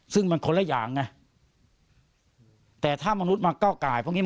ซึ่งมันคนละอย่างไงแต่ถ้ามนุษย์มาเก้าไก่พวกนี้